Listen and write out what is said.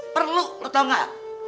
perlu lu tau gak